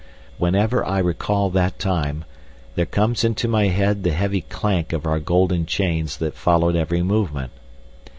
Whenever I recall that time, there comes into my head the heavy clank of our golden chains that followed every movement.